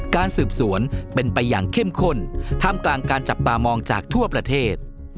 การสืบสวนเป็นไปอย่างเข้มข้นท่ามกลางการจับตามองจากทั่วประเทศ